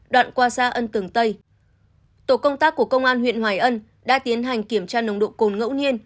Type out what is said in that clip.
đoạn qua xa ân tường tây tổ công tác của công an huyện hoài ân đã tiến hành kiểm tra nồng độ cồn ngẫu nhiên